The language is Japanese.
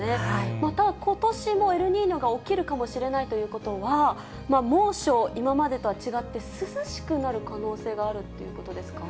またことしもエルニーニョが起きるかもしれないということは、猛暑、今までとは違って涼しくなる可能性があるということですか。